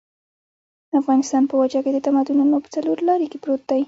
افغانستان په وچه کې د تمدنونو په څلور لاري کې پروت دی.